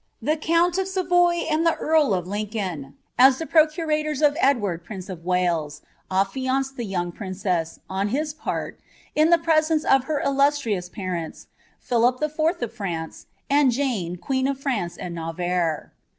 The count of Savoy and ihe earl of Lincoln, as ilie procuraiiire of Edward piince ot Waled, affianced the youug priucces, on hia pan, in the jiresence of her illiistiious jwrenta, Philip IV. of France, atid Jane, queen of Fmnce and N'DTsrre.